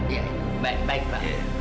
iya baik baik pak